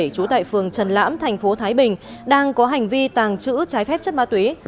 trú tại phường trần lãm thành phố thái bình đang có hành vi tàng trữ trái phép chất ma túy